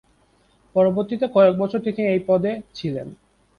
পরবর্তী কয়েকবছর তিনি এই পদে ছিলেন।